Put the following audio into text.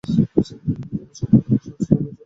সংলাপের সংস্কার করে ছোট ছোট সংলাপ ব্যবহার করেছেন।